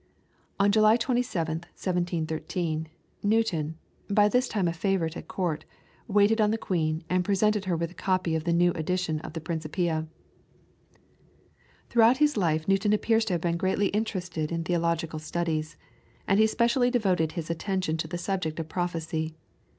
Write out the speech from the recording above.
On July 27th, 1713, Newton, by this time a favourite at Court, waited on the Queen, and presented her with a copy of the new edition of the "Principia." Throughout his life Newton appears to have been greatly interested in theological studies, and he specially devoted his attention to the subject of prophecy.